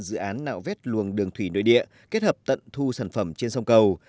dự án nạo vét luồng đường thủy nơi địa kết hợp tận thu sản phẩm trên sông cầu